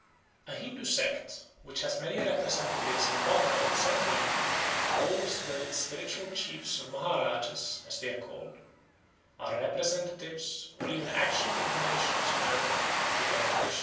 A Hindoo sect, which has many representatives in Bombay and Central India, holds that its spiritual chiefs or Maharajas, as they are called, are representatives or even actual incarnations on earth of the god Krishna.